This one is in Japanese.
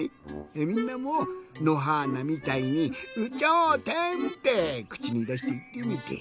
みんなものはーなみたいに「有頂天」ってくちにだしていってみて。